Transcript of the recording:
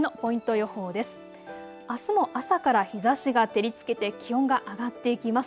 あすも朝から日ざしが照りつけて気温が上がっていきます。